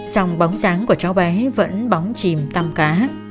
sòng bóng dáng của cháu bé vẫn bóng chìm tăm cá